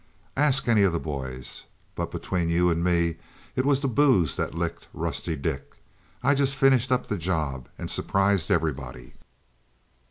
"Ask any of the boys. But between you and me, it was the booze that licked Rusty Dick. I just finished up the job and surprised everybody."